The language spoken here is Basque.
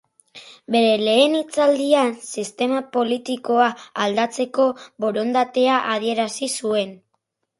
Bere lehen hitzaldian sistema politikoa aldatzeko borondatea adierazi zuen.